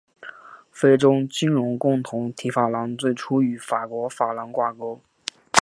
非洲金融共同体法郎最初与法国法郎挂钩。